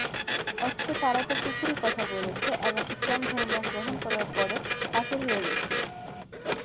অথচ তারা তো কুফুরী কথা বলেছে এবং ইসলাম গ্রহণ করার পর কাফের হয়ে গেছে।